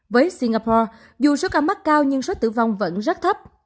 với singapore dù số ca mắc cao nhưng số tử vong vẫn rất thấp